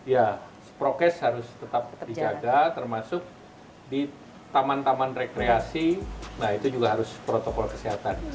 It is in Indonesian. ya prokes harus tetap dijaga termasuk di taman taman rekreasi nah itu juga harus protokol kesehatan